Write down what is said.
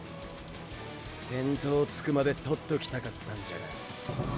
先頭つくまでとっときたかったんじゃが。